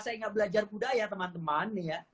saya nggak belajar budaya teman teman ya